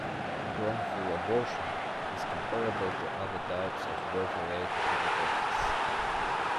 "Wrongful abortion" is comparable to other types of birth-related malpractice.